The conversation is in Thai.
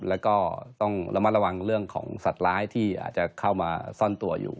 แล้วก็ต้องระมัดระวังเรื่องของสัตว์ร้ายที่อาจจะเข้ามาซ่อนตัวอยู่